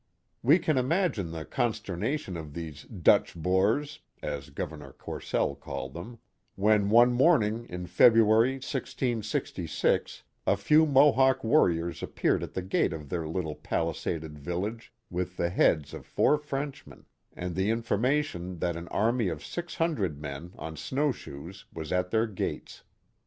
We can imagine the consternation of these '* Dutch Boers " (as Governor Courcelle called them) when one morning in Feb ruary, 1666, a few Mohawk warriors appeared at the gate of their little palisaded village with the heads of four Frenchmen, and the information that an army of six hundred men, on snowshoes, was at their gates.